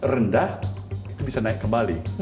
rendah itu bisa naik kembali